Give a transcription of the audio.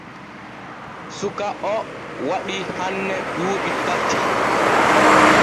Suka o waɗi hanne duuɓi tati.